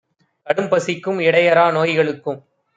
கடும்பசிக்கும் இடையறா நோய்க ளுக்கும்